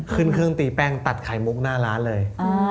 ขึ้นเครื่องตีแป้งตัดไข่มุกหน้าร้านเลย